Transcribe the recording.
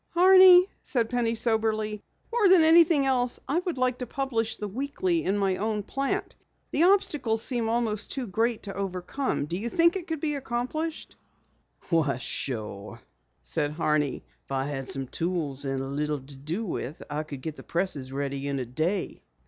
"Horney," said Penny soberly, "more than anything else I would like to publish the Weekly in my own plant. The obstacles seem almost too great to overcome; do you think it could be accomplished?" "Why, sure," said Horney. "If I had some tools and a little to do with I could get the presses ready in a day."